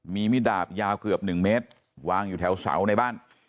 มีมิดดาบยาวเกือบ๑เมตรวางอยู่แถวเสาในบ้าน